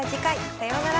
さようなら。